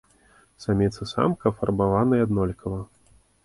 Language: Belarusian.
Самец і самка афарбаваныя аднолькава.